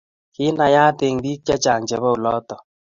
kinaayat eng biik chechang chebo oloto